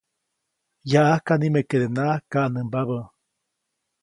Yaʼajka nimekedenaʼajk kaʼnämba.